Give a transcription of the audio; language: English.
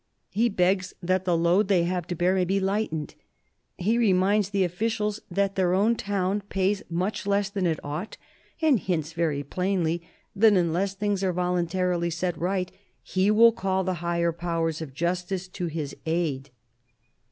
..." He begs that the load they have to bear may be lightened. He reminds the officials that their own town pays much less than it ought, and hints very plainly that unless things are voluntarily set right, he will call the higher powers of justice to his aid.